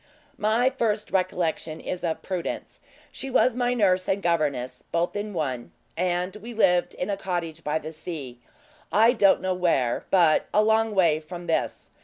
"My first recollection is of Prudence; she was my nurse and governess, both in one; and we lived in a cottage by the sea I don't know where, but a long way from this.